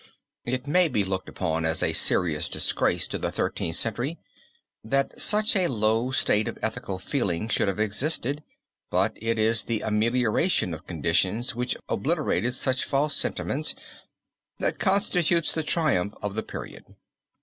It may be looked upon as a serious disgrace to the Thirteenth Century that such a low state of ethical feeling should have existed, but it is the amelioration of conditions which obliterated such false sentiments that constitutes the triumph of the period.